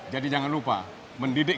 jadi jangan lupa mendidik